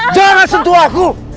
jangan sentuh aku